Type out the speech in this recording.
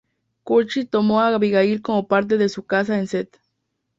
Churchill tomó a Abigail como parte de su casa en St.